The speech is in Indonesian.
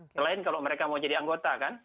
selain kalau mereka mau jadi anggota kan